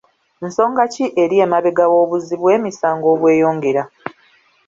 Nsonga ki eri emabega w'obuzzi bw'emisango obweyongera?